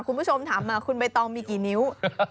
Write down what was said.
คุณผู้ชมถามมาคุณใบตองมีกี่นิ้ว